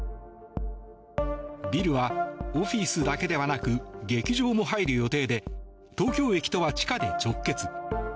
ビルはオフィスだけではなく劇場も入る予定で東京駅とは地下で直結。